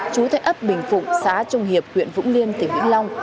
trú tại ấp bình phục xã trung hiệp huyện vũng liêm tỉnh vĩnh long